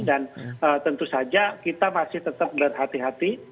dan tentu saja kita masih tetap berhati hati